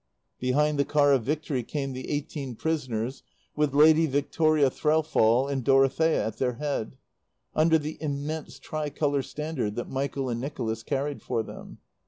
Behind the Car of Victory came the eighteen prisoners with Lady Victoria Threlfall and Dorothea at their head, under the immense tricolour standard that Michael and Nicholas carried for them.